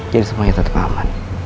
jadi semuanya tetep aman